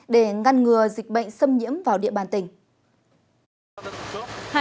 để ngăn ngừa dịch bệnh xâm nhiễm vào địa bàn tỉnh